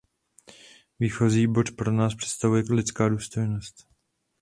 Výchozí bod pro nás představuje lidská důstojnost.